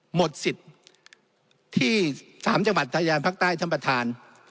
หมดสิทธิ์ที่๓จังหวัดทะยานภาคใต้ท่านประธาน